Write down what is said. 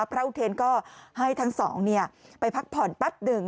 อุเทนก็ให้ทั้งสองไปพักผ่อนแป๊บหนึ่ง